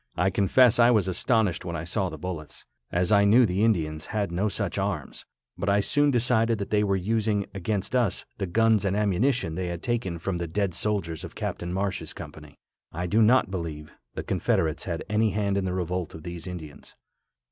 I confess I was astonished when I saw the bullets, as I knew the Indians had no such arms, but I soon decided that they were using against us the guns and ammunition they had taken from the dead soldiers of Captain Marsh's company. I do not believe the Confederates had any hand in the revolt of these Indians.